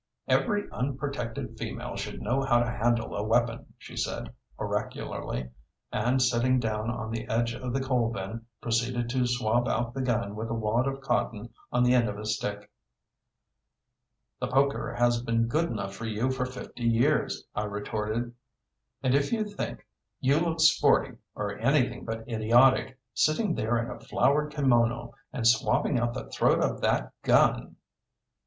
"Every unprotected female should know how to handle a weapon," she said oracularly, and, sitting down on the edge of the coal bin, proceeded to swab out the gun with a wad of cotton on the end of a stick. "The poker has been good enough for you for fifty years," I retorted. "And if you think you look sporty, or anything but idiotic, sitting there in a flowered kimono and swabbing out the throat of that gun